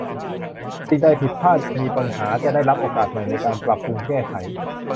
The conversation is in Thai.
สิ่งใดผิดพลาดมีปัญหาจะได้รับโอกาสใหม่ในการปรับปรุงแก้ไข